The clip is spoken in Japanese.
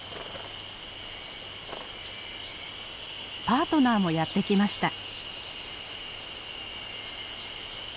パートナーもやって来ました。